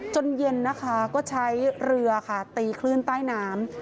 จนเย็นก็ใช้เรือตีคลื่นใต้น้ำ